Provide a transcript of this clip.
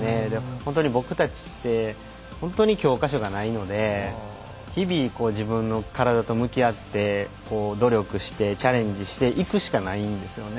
本当に僕たちって本当に教科書がないので日々、自分の体と向き合って努力して、チャレンジしていくしかないんですよね。